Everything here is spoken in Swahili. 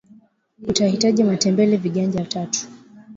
utahita matembele Viganja tatu